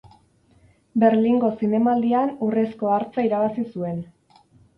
Berlingo Zinemaldian Urrezko Hartza irabazi zuen.